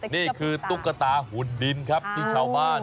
ตุ๊กตาหุ่นดินครับที่ชาวบ้าน